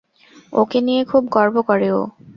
ওকে নিয়ে খুব গর্ব করে ও।